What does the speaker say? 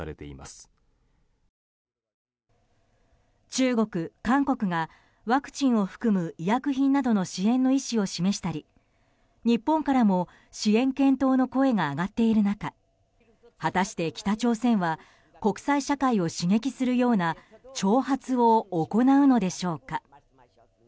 中国、韓国がワクチンを含む医薬品などの支援の意思を示したり日本からも支援検討の声が上がっている中果たして北朝鮮は国際社会を刺激するような挑発を行うのでしょうか。